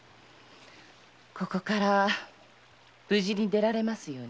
ここから無事に出られますように。